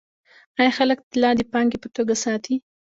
آیا خلک طلا د پانګې په توګه ساتي؟